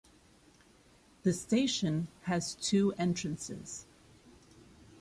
The station has two entrances.